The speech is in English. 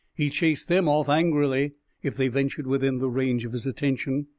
He chased them off angrily if they ventured within the range of his attention.